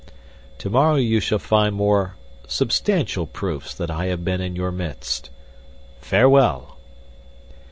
Tomorrow you shall find more substantial proofs that I have been in your midst. Farewell!"